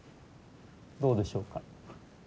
どうでしょうか。